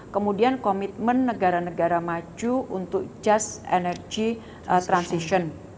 kemudian komitmen negara negara maju untuk just energy transition